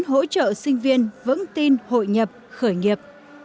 hỗ trợ sinh viên vững tin hội nhập khởi nghiệp